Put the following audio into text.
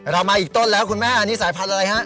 เรามาอีกต้นแล้วคุณแม่อันนี้สายพันธุ์อะไรฮะ